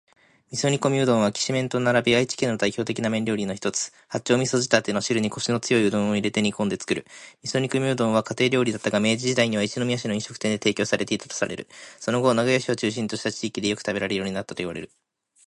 「味噌煮込みうどん」は、「きしめん」と並び愛知県の代表的な麺料理の一つ。八丁味噌仕立ての汁にコシの強いうどんを入れて煮こんでつくる。「味噌煮込みうどん」は家庭料理だったが、明治時代には一宮市の飲食店で提供されていたとされる。その後、名古屋市を中心とした地域でよく食べられるようになったといわれる。